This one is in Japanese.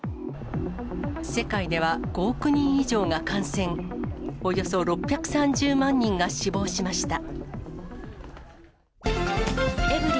世界では５億人以上が感染、およそ６３０万人が死亡しました。